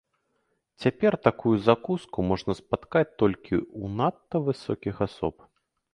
Цяпер такую закуску можна спаткаць толькі ў надта высокіх асоб.